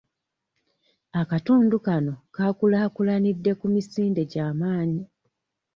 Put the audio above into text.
Akatundu kano kakulaakulanidde ku misinde gya maanyi.